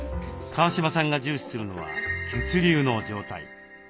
川嶋さんが重視するのは血流の状態。